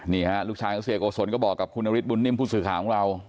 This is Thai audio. นี่ลูกชายเกาะสนก็บอกกับคุณหน้าวิทย์บุญนิ่มผู้สื่อของเรา